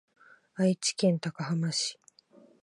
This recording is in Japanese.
愛知県高浜市